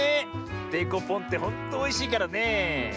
デコポンってほんとおいしいからねえ。